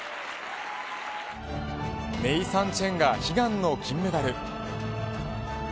ネイサン・チェンが悲願の金メダル。